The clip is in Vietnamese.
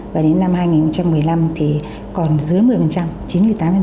và đến năm hai nghìn một mươi năm thì còn dưới một mươi chín mươi tám